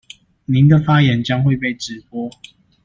您的發言將會被直播